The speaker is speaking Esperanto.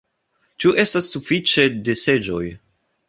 Ĉu estas suﬁĉe de seĝoj?